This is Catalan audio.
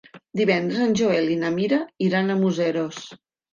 Divendres en Joel i na Mira iran a Museros.